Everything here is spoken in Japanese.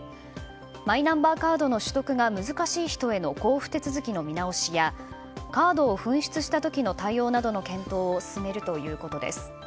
マイナンバーカードの取得が難しい人への交付手続きの見直しやカードを紛失した時の対応などの検討を進めるということです。